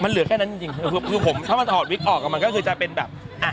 มันเหลือแค่นั้นจริงคือถ้ามันออกกับมันก็คือจะเป็นแบบ